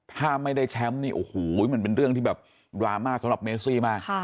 ถ้าไม่ได้แชมป์นี่โอ้โหมันเป็นเรื่องที่แบบดราม่าสำหรับเมซี่มาก